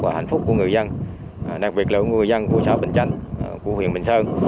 và hạnh phúc của người dân đặc biệt là người dân của xã bình chánh của huyện bình sơn